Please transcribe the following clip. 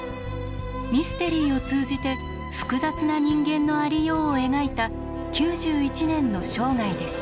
ミステリーを通じて複雑な人間のありようを描いた９１年の生涯でした。